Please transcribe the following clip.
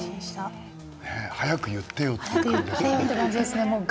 早く言ってよという感じ。